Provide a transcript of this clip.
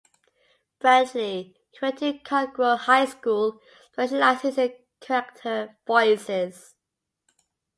Brantley, who went to Conroe High School, specializes in character voices.